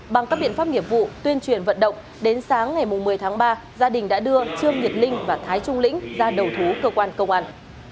bằng các biện pháp nghiệp vụ tuyên truyền vận động đến sáng ngày một mươi tháng ba gia đình đã đưa trương nhật linh và thái trung lĩnh ra đầu thú cơ quan công an